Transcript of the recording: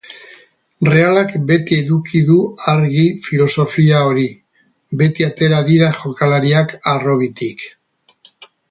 Realak beti eduki du argi filosofia hori: beti atera dira jokalariak harrobitik.